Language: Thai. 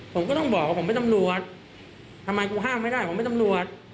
ผมก็ต้องบอกว่าผมเป็นตำรวจทำไมกูห้ามไม่ได้ผมเป็นตำรวจ